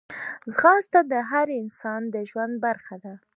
ځغاسته د هر انسان د ژوند برخه ده